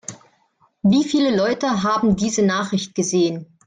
Wie viele Leute haben diese Nachricht gesehen?